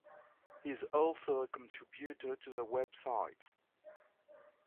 He is also a contributor to the website.